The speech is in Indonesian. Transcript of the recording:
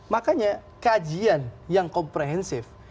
makanya kajian yang komprehensif